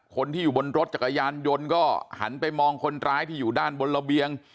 คนที่อยู่บนรถจักรยานยนต์ก็หันไปมองคนร้ายที่อยู่ด้านบนระเบียง